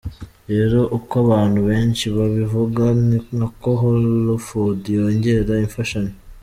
Rero uko abantu benshi babivuga ni nako hellofood yongera imfashanyo.